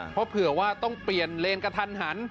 เพราะเพื่อว่าต้องเปลี่ยนเลรคัทรรรชัน